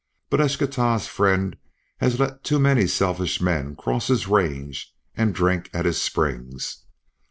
But Eschtah's friend has let too many selfish men cross his range and drink at his springs.